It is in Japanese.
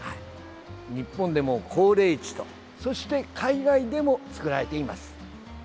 日本でも高冷地とそして海外でも作られています。